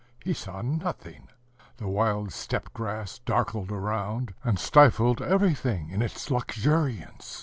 He saw nothing. The wild steppe grass darkled around, and stifled everything in its luxuriance.